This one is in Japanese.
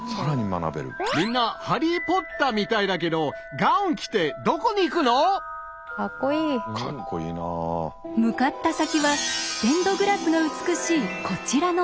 みんな「ハリー・ポッター」みたいだけど向かった先はステンドグラスが美しいこちらの建物。